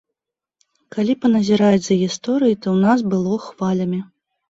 Калі паназіраць за гісторыяй, то ў нас было хвалямі.